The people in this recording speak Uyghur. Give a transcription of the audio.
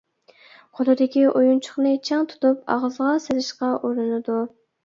قولىدىكى ئويۇنچۇقنى چىڭ تۇتۇپ، ئاغزىغا سېلىشقا ئۇرۇنىدۇ.